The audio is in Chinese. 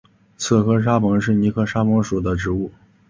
侧花沙蓬是苋科沙蓬属的植物。